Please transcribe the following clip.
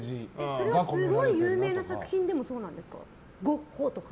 それはすごい有名な作品でもそうなんですか？